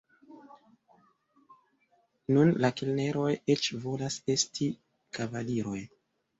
Nun la kelneroj eĉ volas esti kavaliroj.